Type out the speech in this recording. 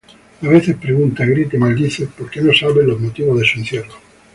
A veces pregunta, grita y maldice porque no sabe los motivos de su encierro.